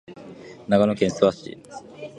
長野県諏訪市